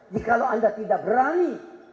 jikalau anda tidak berani